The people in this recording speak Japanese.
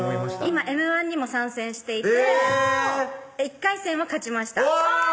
今Ｍ−１にも参戦していてえぇ１回戦は勝ちましたうわ！